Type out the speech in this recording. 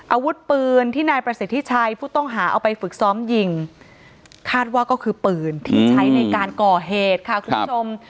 อาวุธปืนที่นายประสิทธิชัยผู้ต้องหาเอาไปฝึกซ้อมยิงคาดว่าก็คือปืนที่ใช้ในการก่อเหตุค่ะคุณผู้ชม